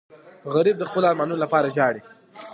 غریب د خپلو ارمانونو لپاره ژاړي